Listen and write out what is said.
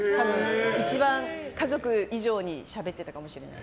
一番、家族以上にしゃべってたかもしれない。